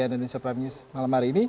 cnn indonesia prime news malam hari ini